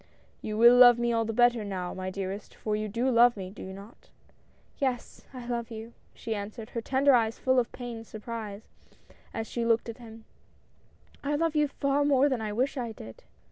"You will love all the better now, my dearest, for you do love me, do you not?" "Yes, I love you," she answered, her tender eyes full of pained surprise, as she looked at him ;" I love you far more than I wish I did